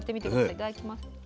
いただきます。